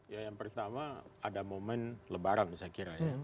ya yang pertama ada momen lebaran saya kira ya